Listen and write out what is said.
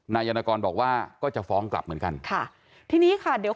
นายรณกรบอกว่าก็จะฟ้องกลับเหมือนกันค่ะทีนี้ค่ะเดี๋ยว